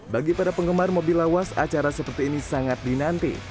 bagi para penggemar mobil lawas acara seperti ini sangat dinanti